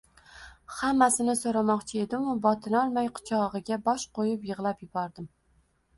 Hammasini so`ramoqchi edim-u, botinolmay, quchog`iga bosh qo`yib yig`lab yubordim